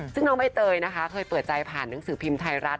ซึ่งน้องใบเตยนะคะเคยเปิดใจผ่านหนังสือพิมพ์ไทยรัฐ